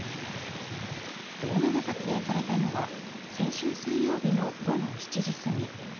動画が撮影されたのは先週水曜日の午後７時過ぎ。